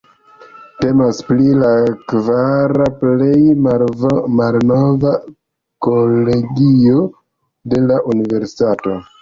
Temas pri la kvara plej malnova kolegio de la Universitato.